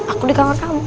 aku di kamar kamu